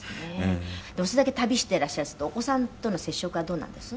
でも、それだけ旅していらっしゃるとお子さんとの接触はどうなんです？